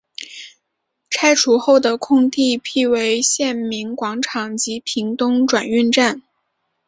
拆除后的空地辟为县民广场及屏东转运站。